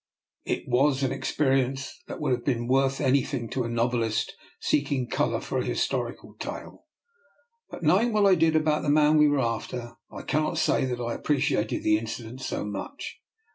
It was an experience that would have been worth anything to a novelist seeking colour for a historical tale; but knowing what I did about the man we were after, I cannot say that I ap preciated the incident so much.